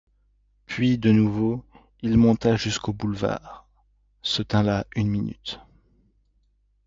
Puis, de nouveau, il monta jusqu'au boulevard, se tint là une minute.